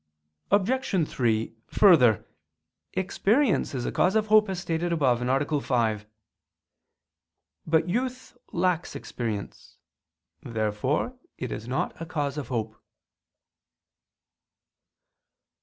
Obj. 3: Further, experience is a cause of hope, as stated above (A. 5). But youth lacks experience. Therefore it is not a cause of hope.